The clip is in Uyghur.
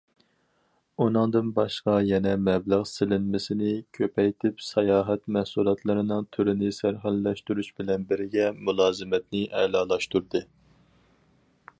ئۇنىڭدىن باشقا يەنە مەبلەغ سېلىنمىسىنى كۆپەيتىپ، ساياھەت مەھسۇلاتلىرىنىڭ تۈرىنى سەرخىللاشتۇرۇش بىلەن بىرگە، مۇلازىمەتنى ئەلالاشتۇردى.